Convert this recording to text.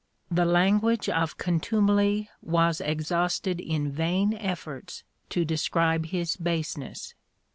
The language of contumely was exhausted in vain efforts to describe his baseness.